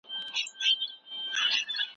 هغه د خپل وخت تر ټولو قوي پاچا و.